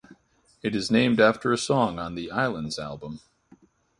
It is named after a song on the "Islands" album.